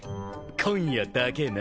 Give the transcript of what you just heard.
「今夜だけ」な。